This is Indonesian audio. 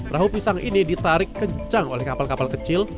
perahu pisang ini ditarik kencang oleh kapal kapal kecil